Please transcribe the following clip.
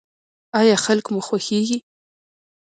ایا خلک مو خوښیږي؟